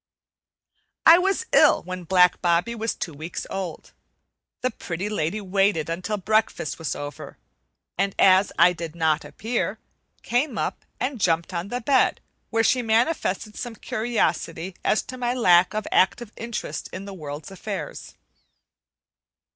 I was ill when black Bobbie was two weeks old. The Pretty Lady waited until breakfast was over, and as I did not appear, came up and jumped on the bed, where she manifested some curiosity as to my lack of active interest in the world's affairs.